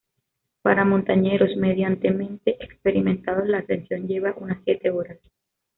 Para montañeros medianamente experimentados la ascensión lleva unas siete horas.